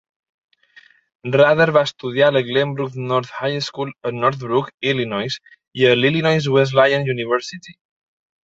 Rader va estudiar a la Glenbrook North High School a Northbrook, Illinois, i a l'Illinois Wesleyan University.